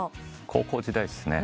高校時代っすね。